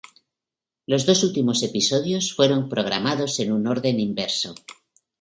Los dos últimos episodios fueron programados en un orden inverso.